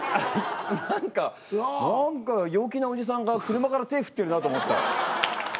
何か何か陽気なおじさんが車から手振ってるなと思って。